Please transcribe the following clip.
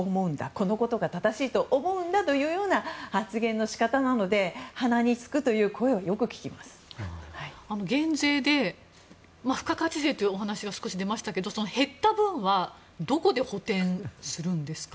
このことが正しいと思うんだという発言の仕方なので鼻につくという声は減税で、付加価値税というお話が少し出ましたが減った分はどこで補填するんですか？